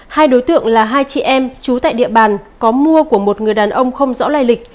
hai đối tượng là hai chị em trú tại địa bàn có mua của một người đàn ông không rõ lai lịch